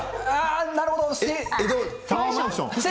なるほど。